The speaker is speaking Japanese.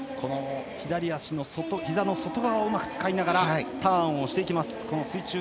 左足のひざの外側をうまく使いながらターンします。